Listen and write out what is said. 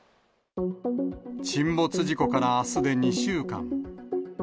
沈没事故からあすで２週間。